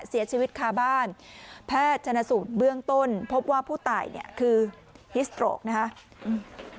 เสียชีวิตคาบ้านแพทย์ชนสูตรเบื้องต้นพบว่าผู้ตายเนี่ยคือฮิสโตรกนะครับ